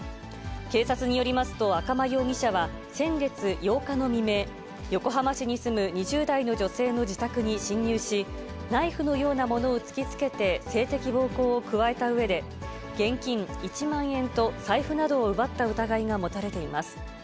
警察によりますと、赤間容疑者は先月８日の未明、横浜市に住む２０代の女性の自宅に侵入し、ナイフのようなものを突きつけて性的暴行を加えたうえで、現金１万円と財布などを奪った疑いが持たれています。